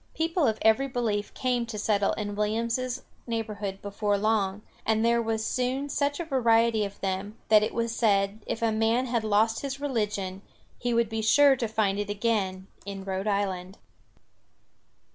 People of every belief came to settle in Williams's neighborhood before long, and there was soon such a variety of them that it was said if a man had lost his religion he would be sure to find it again in Rhode Island.